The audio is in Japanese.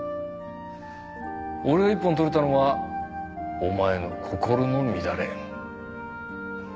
俺が一本取れたのはお前の心の乱れ。